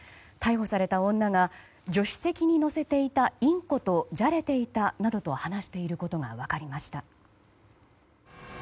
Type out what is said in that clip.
逮捕された女が助手席に乗せていたインコとじゃれていたなどと話していることが分かりました。